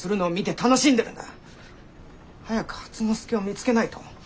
早く初之助を見つけないと。